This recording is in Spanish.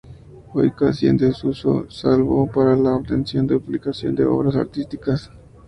Hoy casi en desuso, salvo para la obtención y duplicación de obras artísticas.